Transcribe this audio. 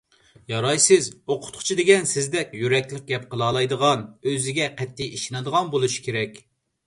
يارايسىز! ئوقۇتقۇچى دېگەن سىزدەك يۈرەكلىك گەپ قىلالايدىغان، ئۆزىگە قەتئىي ئىشىنىدىغان بولۇشى كېرەك.